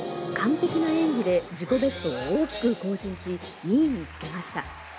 完璧な演技で自己ベストを大きく更新し２位につけました。